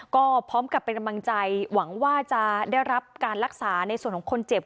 ก็พร้อมกับเป็นกำลังใจหวังว่าจะได้รับการรักษาในส่วนของคนเจ็บ